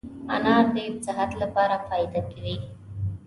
انار دي صحت لپاره فایده کوي